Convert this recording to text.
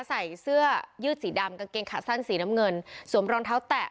ใส่เสื้อยืดสีดำกางเกงขาสั้นสีน้ำเงินสวมรองเท้าแตะ